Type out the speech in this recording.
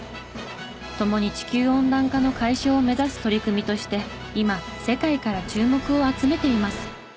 ともに地球温暖化の解消を目指す取り組みとして今世界から注目を集めています。